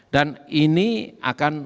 dan ini akan